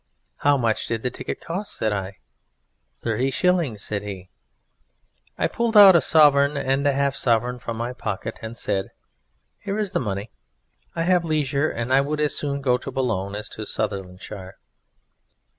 "How much did the ticket cost?" said I. "Thirty shillings," said he. I pulled out a sovereign and a half sovereign from my pocket, and said: "Here is the money. I have leisure, and I would as soon go to Boulogne as to Sutherlandshire."